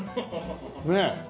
ねえ。